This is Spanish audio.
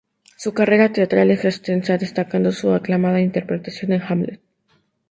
Su carrera teatral es extensa, destacando su aclamada interpretación en "Hamlet".